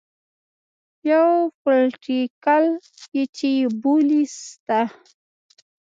يو پوليټيکل چې يې بولي سته.